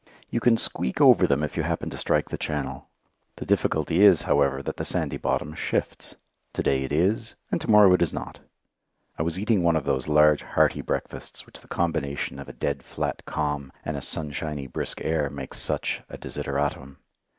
You can "squeak" over them if you happen to strike the channel. The difficulty is, however, that the sandy bottom shifts. To day it is, and to morrow it is not. I was eating one of those large, hearty breakfasts which the combination of a dead flat calm and a sunshiny brisk air make such a desideratum.